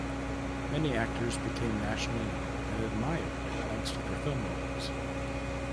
Many actors became nationally known and admired thanks to their film roles.